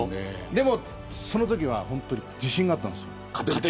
でも、そのときは自信があったんです。